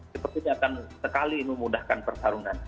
sepertinya akan sekali memudahkan pertarungan